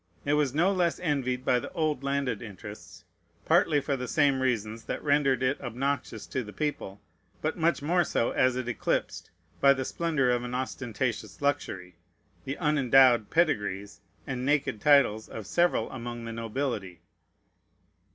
It was no less envied by the old landed interests, partly for the same reasons that rendered it obnoxious to the people, but much more so as it eclipsed, by the splendor of an ostentatious luxury, the unendowed pedigrees and naked titles of several among the nobility.